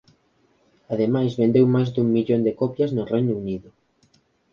Ademais vendeu máis dun millón de copias no Reino Unido.